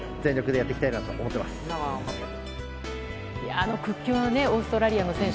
あの屈強なオーストラリアの選手。